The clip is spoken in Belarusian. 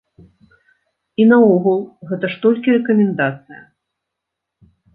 І наогул, гэта ж толькі рэкамендацыя.